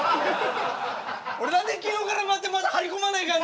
俺何で昨日から待ってまた張り込まないかんねや！